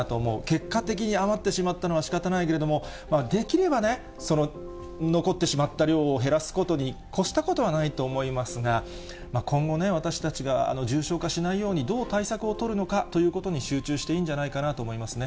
結果的に余ってしまったのはしかたないけれども、できればその残ってしまった量を減らすことに越したことはないと思いますが、今後ね、私たちが重症化しないように、どう対策を取るのかということに集中していいんじゃないかなと思いますね。